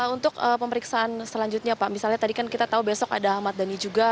untuk pemeriksaan selanjutnya pak misalnya tadi kan kita tahu besok ada ahmad dhani juga